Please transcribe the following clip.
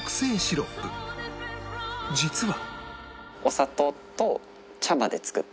実は